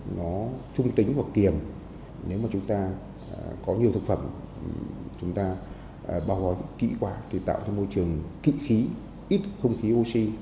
nó trung tính và kiềm nếu mà chúng ta có nhiều thực phẩm chúng ta bao gói kỹ quả thì tạo ra môi trường kỵ khí ít không khí oxy